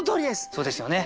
そうですよね。